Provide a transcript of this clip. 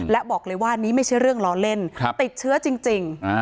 และบอกเลยว่านี่ไม่ใช่เรื่องล้อเล่นติดเชื้อจริง